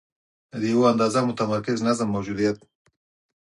د یوه اندازه متمرکز نظم موجودیت.